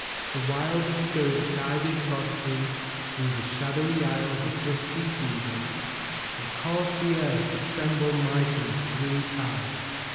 So while the Spirit guided Godfrey through the shadowy aisles of dusky cedars, it caused the earth to tremble mightily three times.